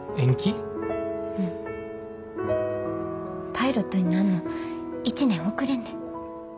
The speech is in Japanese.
パイロットになんの１年遅れんねん。